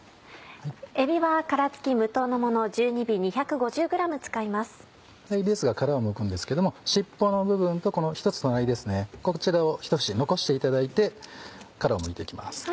えびですが殻をむくんですけども尻尾の部分とこの１つ隣ですねこちらをひと節残していただいて殻をむいて行きます。